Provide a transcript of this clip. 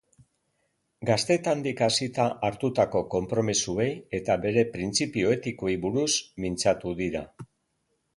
Gaztetandik hasita hartutako konpromezuei eta bere printzipio etikoei buruz mintzatu dira.